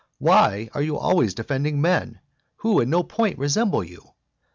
Why are you always defending men who in no point resemble you?